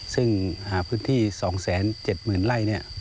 ซึ่งหาพื้นที่๒๗๐๐ไร่